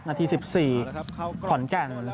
นาที๑๔ขอนแก่น